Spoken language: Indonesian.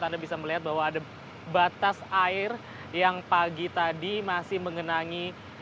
anda bisa melihat bahwa ada batas air yang pagi tadi masih mengenangi